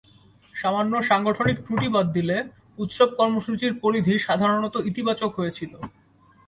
সামান্য সাংগঠনিক ত্রুটি বাদ দিলে, উৎসব কর্মসূচীর পরিধি সাধারণত ইতিবাচক হয়েছিল।